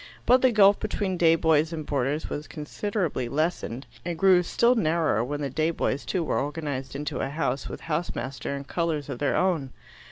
But the gulf between day boys and boarders was considerably lessened, and grew still narrower when the day boys too were organized into a House with house master and colours of their own.